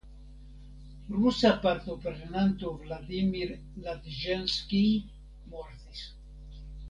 Rusa partoprenanto Vladimir Ladiĵenskij mortis.